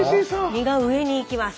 身が上に行きます。